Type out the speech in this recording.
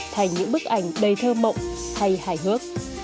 thành những bức ảnh đầy thơ mộng hay hài hước